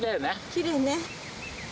きれいね。